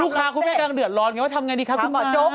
ลูกค้าคุณเป้กันหลังเดือดร้อนว่าทำอย่างไรดีครับ